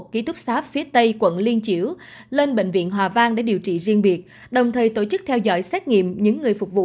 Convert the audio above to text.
ký túc xáp phía tây quận liên chiểu lên bệnh viện hòa vang để điều trị riêng biệt đồng thời tổ chức theo dõi xét nghiệm những người phục vụ